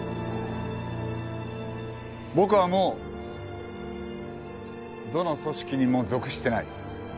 僕はもうどの組織にも属してない。